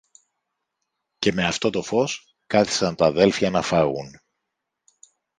και με αυτό το φως κάθισαν τ' αδέλφια να φάγουν.